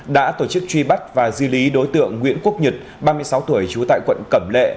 đã tổ chức truy bắt và di lý đối tượng nguyễn quốc nhật ba mươi sáu tuổi trú tại quận cẩm lệ